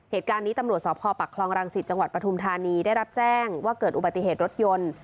เหตุการณ์นี้ตำรวจสพปักคลองรังสิตจังหวัดปฐุมธานีได้รับแจ้งว่าเกิดอุบัติเหตุรถยนต์